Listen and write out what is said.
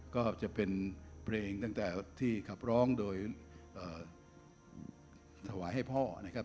ก็จะเป็นเพลงตั้งแต่ที่ขับร้องโดยถวายให้พ่อนะครับ